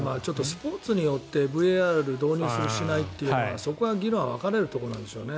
スポーツによってＶＡＲ導入するしないというのはそこは議論が分かれるでしょうね。